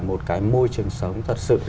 một cái môi trường sống thật sự